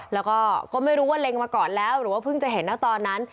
แล้วก็ไม่รู้ว่าเล็งมาก่อนแล้วหรือว่าเพิ่งจะเห็นนะตอนนั้น